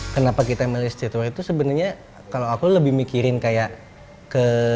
kenapa kita melihat situasi itu sebenarnya kalau aku lebih mikirin kayak ke